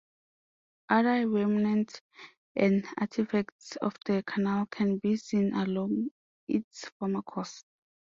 Other remnants and artifacts of the canal can be seen along its former course.